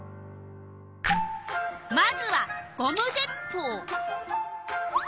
まずはゴム鉄ぽう。